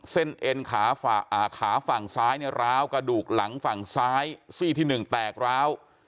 เอ็นขาฝั่งซ้ายเนี่ยร้าวกระดูกหลังฝั่งซ้ายซี่ที่๑แตกร้าว